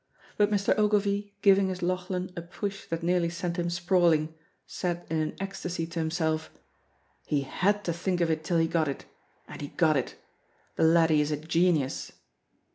But Mr. Ogilvy giving his Lauchlan a push that nearly sent him sprawling, said in an ecstasy to himself, "He had to think of it till he got it and he got it. The laddie is a genius!"